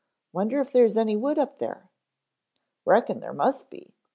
Wonder if there is any wood up there." "Reckon there must be.